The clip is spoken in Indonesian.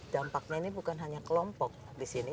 dampaknya ini bukan hanya kelompok di sini